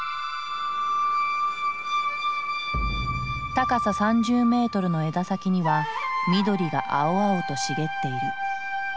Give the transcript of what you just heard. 高さ３０メートルの枝先には緑が青々と茂っている。